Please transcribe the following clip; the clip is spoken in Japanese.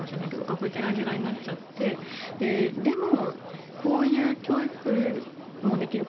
学校に行けない時代になっちゃってでも、こういう教育もできる